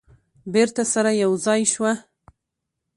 بیرته سره یو ځای شوه.